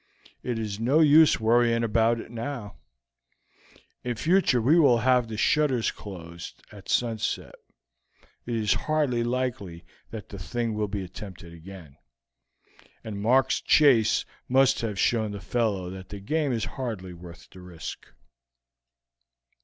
It is no use worrying about it now; in future we will have the shutters closed at sunset. It is hardly likely that the thing will be attempted again, and Mark's chase must have shown the fellow that the game is hardly worth the risk."